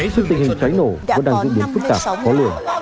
sự tình hình cháy nổ vẫn đang giúp đỡ phức tạp khó lửa